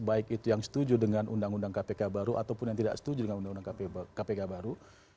baik itu yang setuju dengan undang undang kpk baru ataupun yang tidak setuju dengan undang undang kpk baru